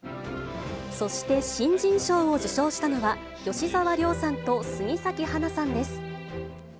そして新人賞を受賞したのは、吉沢亮さんと杉咲花さんです。